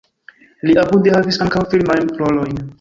Li abunde havis ankaŭ filmajn rolojn.